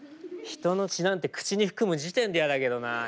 人の血なんて口に含む時点で嫌だけどな。